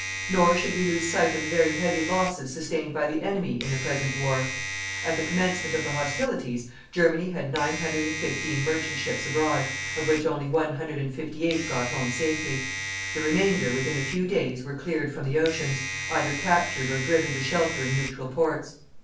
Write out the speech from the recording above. Nor should we lose sight of the very heavy losses sustained by the enemy in the present war. At the commencement of hostilities, Germany had 915 merchant ships abroad, of which only 158 got home safely; the remainder within a few days were cleared from the oceans, either captured or driven to shelter in neutral ports.